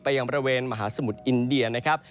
ยังบริเวณมหาสมุทรอินเดียนะครับ